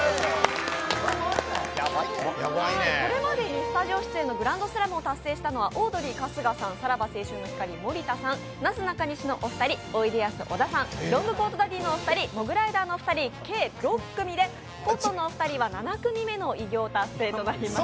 これまでにスタジオ出演のグランドスラムを達成したのはオードリーの春日さんさらば青春の光・森田さんなすなかにしのお二人、おいでやす小田さん、ロングコートダディのお二人、モグライダーのお二人、計６組で、コットンのお二人は７組目の偉業達成となります。